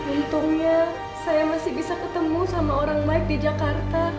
untungnya saya masih bisa ketemu sama orang mike di jakarta